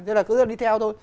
thế là cứ đi theo thôi